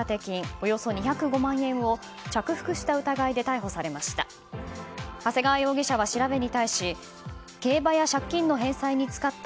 およそ２０５万円を着服した疑いで逮捕されました。